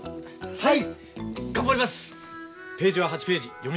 はい！